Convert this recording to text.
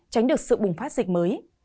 tránh được sự bùng phát dịch mới